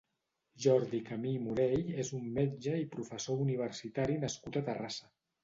Jordi Camí i Morell és un metge i professor universitari nascut a Terrassa.